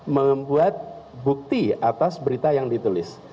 membuat bukti atas berita yang ditulis